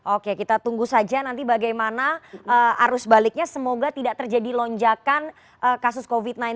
oke kita tunggu saja nanti bagaimana arus baliknya semoga tidak terjadi lonjakan kasus covid sembilan belas